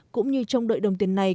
cũng như trong đợi đồng tiền này